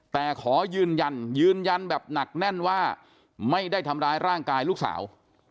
แต่ขอยืนยันยืนยันยืนยันแบบหนักแน่นว่าไม่ได้ทำร้ายร่างกายลูกสาว